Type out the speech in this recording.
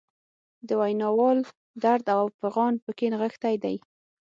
د ویناوال درد او فعان پکې نغښتی دی.